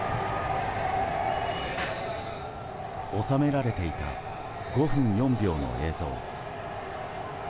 収められていた５分４秒の映像。